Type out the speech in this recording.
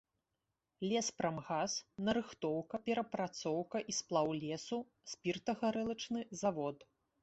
Леспрамгас, нарыхтоўка, перапрацоўка і сплаў лесу, спіртагарэлачны завод.